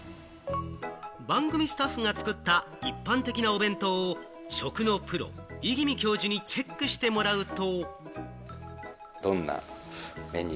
番組スタッフが作った一般的なお弁当を食のプロ・五十君教授にチェックしてもらうと。